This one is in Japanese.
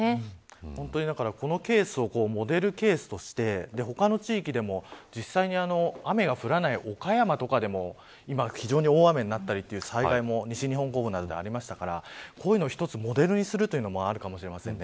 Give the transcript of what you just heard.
本当にこのケースをモデルケースとして他の地域でも実際に雨が降らない岡山とかでも今、非常に大雨になったりという災害も西日本豪雨などでありましたからこういうのを一つのモデルにするというのもあるかもしれません。